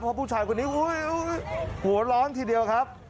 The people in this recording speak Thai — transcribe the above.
เพราะผู้ชายคนนี้โอ๊ยโอ๊ยโอ๊ยหัวร้อนทีเดียวครับ